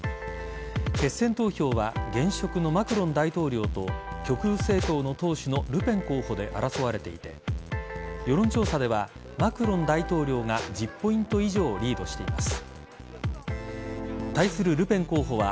決選投票は現職のマクロン大統領と極右政党の党首のルペン候補で争われていて世論調査ではマクロン大統領が１０ポイント以上リードしています。